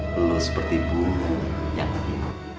lu seperti bunga yang ini